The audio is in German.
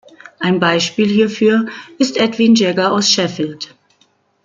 Ein Beispiel hierfür ist Edwin Jagger aus Sheffield.